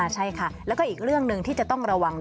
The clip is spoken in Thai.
ใช่ค่ะแล้วก็อีกเรื่องหนึ่งที่จะต้องระวัง